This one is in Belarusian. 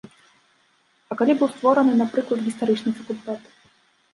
А калі быў створаны, напрыклад, гістарычны факультэт?